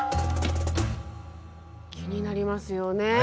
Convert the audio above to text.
気になりますよね。